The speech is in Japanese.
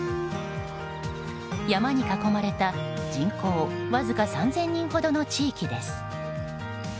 山に囲まれた、人口わずか３０００人ほどの地域です。